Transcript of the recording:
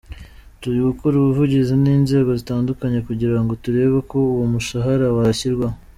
Turi gukora ubuvugizi n’inzego zitandukanye kugira ngo turebe ko uwo mushahara washyirwaho.